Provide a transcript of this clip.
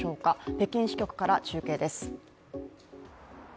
北京支局から中継です。